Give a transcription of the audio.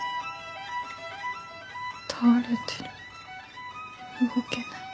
倒れてる動けない。